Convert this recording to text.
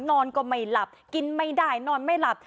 นอนก็ไม่หลับกินไม่ได้นอนไม่หลับ